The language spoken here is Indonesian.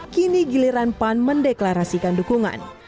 kini giliran pan mendeklarasikan dukungan